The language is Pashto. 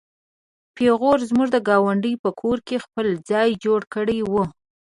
پيغو زموږ د ګاونډي په کور کې خپل ځای جوړ کړی و.